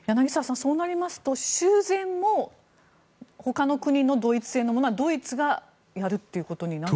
そうなりますと、修繕もほかの国のドイツ製のものはドイツがやるということになるんですかね。